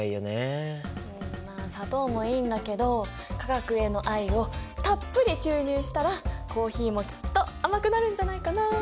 うんまあ砂糖もいいんだけど化学への愛をたっぷり注入したらコーヒーもきっと甘くなるんじゃないかな？